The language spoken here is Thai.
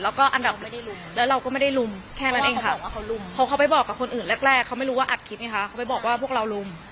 แล้วก็อันดับไม่ได้ลุมแล้วเราก็ไม่ได้ลุมแค่นั้นเองค่ะเพราะเขาไปบอกกับคนอื่นแรกเขาไม่รู้ว่าอัดคลิปไงคะเขาไปบอกว่าพวกเรารุม